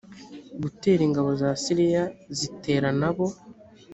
gutera ingabo za siriya zitera nabo